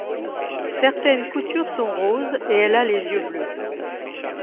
Certaines coutures sont roses et elle a les yeux bleus.